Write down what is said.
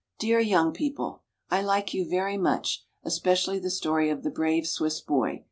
DEAR "YOUNG PEOPLE," I like you very much, especially the story of the "Brave Swiss Boy."